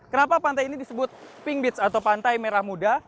kenapa pantai ini disebut pink beach atau pantai merah muda